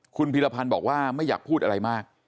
คุณพีรพันธ์บอกว่าไม่อยากพูดอะไรมาก